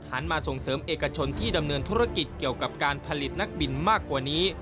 มาส่งเสริมเอกชนที่ดำเนินธุรกิจเกี่ยวกับการผลิตนักบินมากกว่านี้